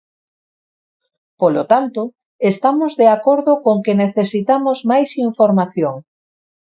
Polo tanto, estamos de acordo con que necesitamos máis información.